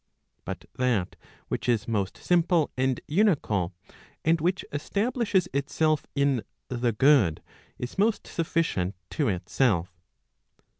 But that which is most simple and unical, and which establishes itself in the good , is most sufficient to itself.